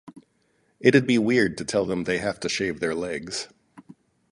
It’d be weird to tell them they have to shave their legs.